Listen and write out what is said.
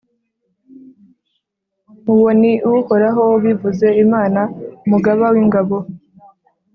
uwo ni uhoraho ubivuze, imana umugaba w’ingabo.